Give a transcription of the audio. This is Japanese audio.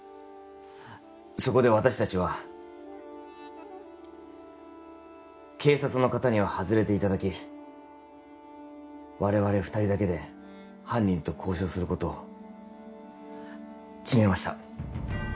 そこで私達は警察の方には外れていただき我々二人だけで犯人と交渉することを決めました